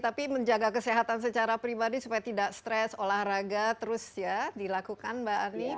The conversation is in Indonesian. tapi menjaga kesehatan secara pribadi supaya tidak stres olahraga terus ya dilakukan mbak ani